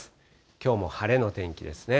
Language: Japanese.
きょうも晴れの天気ですね。